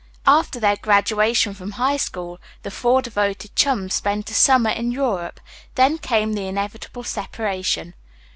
After their graduation from high school the four devoted chums spent a summer in Europe; then came the inevitable separation.